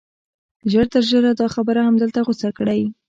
ژر تر ژره دا خبره همدلته غوڅه کړئ